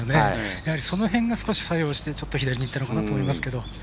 やはり、その辺が作用してちょっと左にいったのかなと思いますけど。